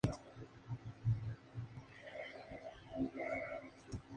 Paulatinamente, tuvieron que ser sustituidas por otras rumanas, consideradas más fiables.